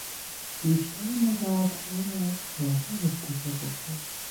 بیشتر نبردها در ساحل اتفاق افتاد.